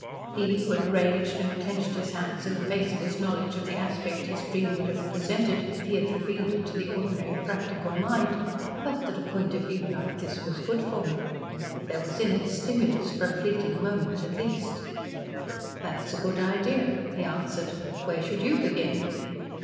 He who had raged and clenched his hands in the face of his knowledge of the aspect his dream would have presented if he had revealed it to the ordinary practical mind, felt that a point of view like this was good for him. There was in it stimulus for a fleeting moment at least. "That is a good idea," he answered. "Where should you begin?"